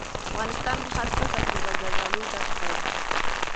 افغانستان په هر فصل کې له زردالو ډک دی.